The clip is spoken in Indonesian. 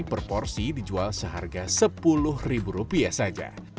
per porsi dijual seharga sepuluh ribu rupiah saja